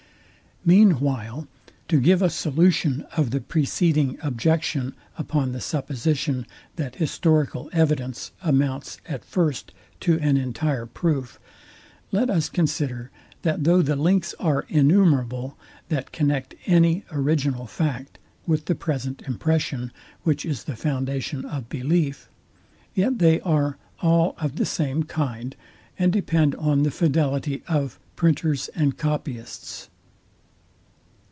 Part IV. Sect. 1. Mean while to give a solution of the preceding objection upon the supposition, that historical evidence amounts at first to an entire proof; let us consider, that though the links are innumerable, that connect any original fact with the present impression, which is the foundation of belief; yet they are all of the same kind, and depend on the fidelity of Printers and Copyists.